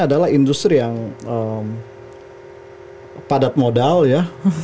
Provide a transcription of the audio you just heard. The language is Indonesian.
adalah industri yang padat modal ya